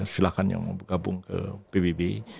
silahkan yang gabung ke pbb